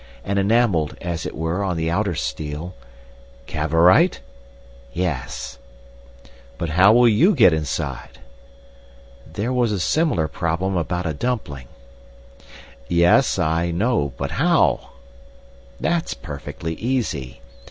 And enamelled, as it were, on the outer steel—" "Cavorite?" "Yes." "But how will you get inside?" "There was a similar problem about a dumpling." "Yes, I know. But how?" "That's perfectly easy.